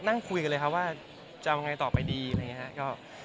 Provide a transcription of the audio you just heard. นั่งคุยกันเลยครับว่าจะเอาไงต่อไปดีอะไรอย่างนี้ครับ